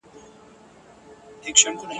هره زرکه زما آواز نه سی لرلای !.